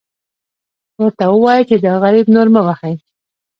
ورته ووایه چې دا غریب نور مه وهئ.